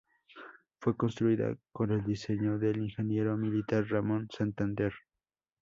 Fue construida con el diseño del ingeniero militar Ramón Santander.